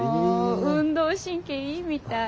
運動神経いいみたい。